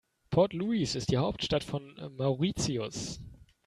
Port Louis ist die Hauptstadt von Mauritius.